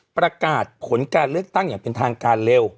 ประกาศผลการเลือกตั้งอย่างเป็นทางการเร็ว